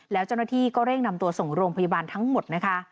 แล้วเจ้าหน้าที่ก็เร่งนำตัวส่งโรงพยาบาลทั้งหมดนะคะ